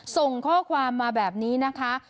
ส่งข้อความมาแบบนี้นะคะ